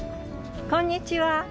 こんにちは。